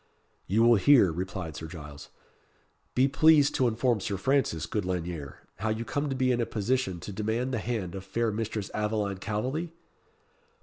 "You will hear," replied Sir Giles. "Be pleased to inform Sir Francis, good Lanyere, how you come to be in a position to demand the hand of fair Mistress Aveline Calveley?"